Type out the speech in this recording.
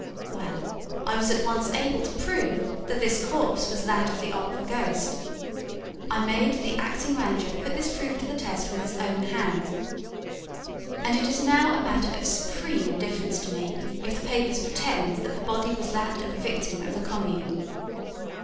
Well, I was at once able to prove that this corpse was that of the Opera ghost. I made the acting manager put this proof to the test with his own hand; and it is now a matter of supreme indifference to me if the papers pretend that the body was that of a victim of the Commune.